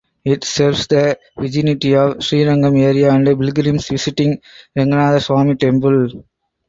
It serves the vicinity of Srirangam Area and pilgrims visiting Ranganathaswamy Temple.